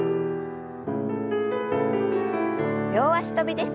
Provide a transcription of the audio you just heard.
両脚跳びです。